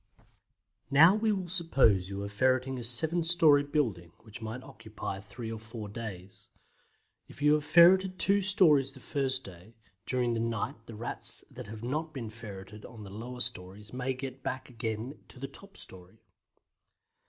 Now we will suppose you are ferreting a seven storey building, which might occupy three or four days. If you have ferreted two stories the first day, during the night the Rats that have not been ferreted on the lower stories may get back again to the top storey.